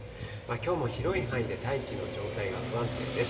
きょうも広い範囲で大気の状態が不安定です。